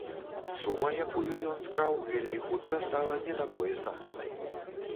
Сума, якую ён скраў, вельмі хутка стала не такой значнай.